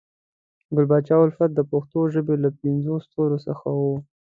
ګل پاچا الفت د پښنو ژبې له پنځو ستورو څخه وو